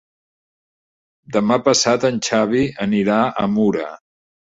Demà passat en Xavi anirà a Mura.